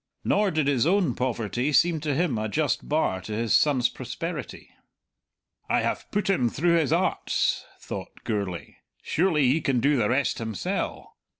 Nor did his own poverty seem to him a just bar to his son's prosperity. "I have put him through his Arts," thought Gourlay; "surely he can do the rest himsell.